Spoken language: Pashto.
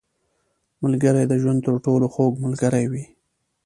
• ملګری د ژوند تر ټولو خوږ ملګری وي.